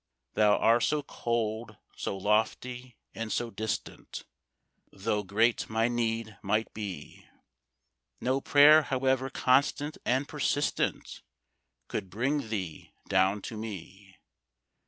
Thou are so cold, so lofty and so distant, Though great my need might be, No prayer, however constant and persistent, Could bring thee down to me.